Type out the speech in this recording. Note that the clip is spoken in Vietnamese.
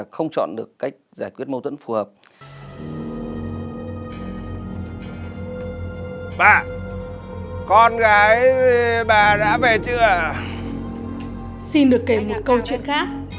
xin được kể một câu chuyện khác